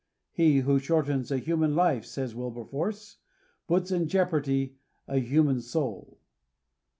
«* He who shortens a human life,*' says Wilberforce, "puts in jeopardy a human soul."